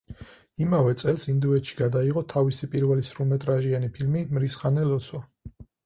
იმავე წელს ინდოეთში გადაიღო თავისი პირველი სრულმეტრაჟიანი ფილმი „მრისხანე ლოცვა“.